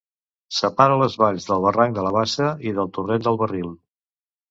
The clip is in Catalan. Separa les valls del barranc de la Bassa i del torrent del Barril.